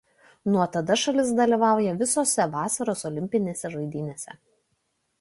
Nuo tada šalis dalyvauja visose vasaros olimpinėse žaidynėse.